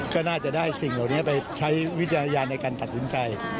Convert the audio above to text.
ก็น่าจะได้สิ่งเหล่านี้ไปใช้วิจารณญาณในการตัดสินใจ